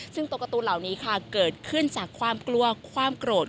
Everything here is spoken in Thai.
ซึ่งตัวการ์ตูนเหล่านี้ค่ะเกิดขึ้นจากความกลัวความโกรธ